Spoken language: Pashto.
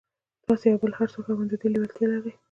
تاسې او بل هر څوک حتماً د دې لېوالتيا لرئ.